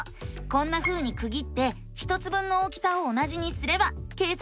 こんなふうにくぎって１つ分の大きさを同じにすれば計算できるんだよね！